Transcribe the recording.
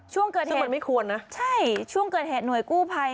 ซึ่งมันไม่ควรนะใช่ช่วงเกิดเหตุหน่วยกู้ภัย